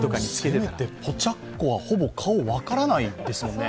ポチャッコは、ほぼ顔、分からないですよね。